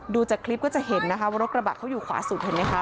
จากคลิปก็จะเห็นนะคะว่ารถกระบะเขาอยู่ขวาสุดเห็นไหมคะ